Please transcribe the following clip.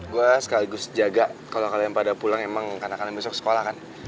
gue sekaligus jaga kalau kalian pada pulang emang karena kalian besok sekolah kan